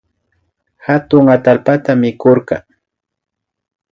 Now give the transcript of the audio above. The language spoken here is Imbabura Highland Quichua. Atuk atallpata mikurka